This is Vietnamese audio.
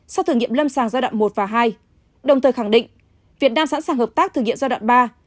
sau thử nghiệm lâm sàng giai đoạn một và hai đồng thời khẳng định việt nam sẵn sàng hợp tác thử nghiệm giai đoạn ba